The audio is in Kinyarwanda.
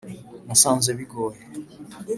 nasanze bigoye!